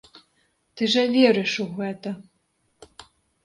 Ты жа верыш у гэта!